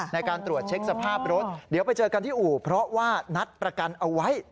ในการตรวจเช็คสภาพรถเดี๋ยวไปเจอกันที่อู่เพราะว่านัดประกันเอาไว้